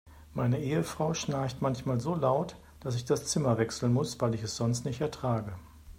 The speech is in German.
Meine Ehefrau schnarcht manchmal so laut, dass ich das Zimmer wechseln muss, weil ich es sonst nicht ertrage.